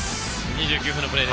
２９分のプレー。